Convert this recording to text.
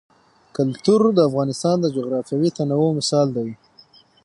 کلتور د افغانستان د جغرافیوي تنوع مثال دی.